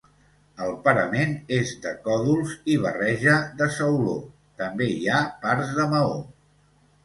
El parament és de còdols i barreja de sauló, també hi ha parts de maó.